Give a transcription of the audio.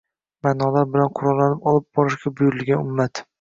ma’nolar bilan qurollanib olib borishga buyurilgan ummat